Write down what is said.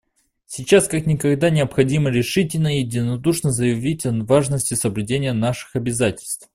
Сейчас как никогда необходимо решительно и единодушно заявить о важности соблюдения наших обязательств.